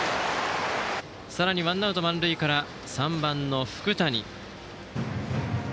さらにワンアウト満塁から３番の福谷。